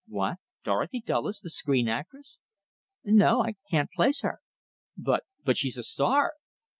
"What? Dorothy Dulles, the screen actress?" "No, I can't place her." "But but she's a star!"